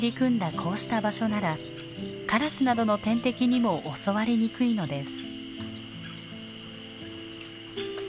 こうした場所ならカラスなどの天敵にも襲われにくいのです。